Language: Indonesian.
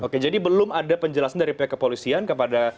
oke jadi belum ada penjelasan dari pihak kepolisian kepada